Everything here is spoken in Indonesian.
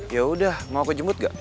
ya udah mau aku jemput gak